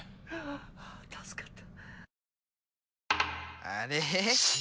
あ助かった。